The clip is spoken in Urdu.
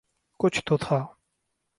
کچھ تو تھا۔